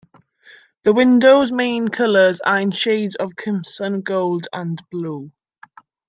The window's main colors are in shades of crimson, gold and blue.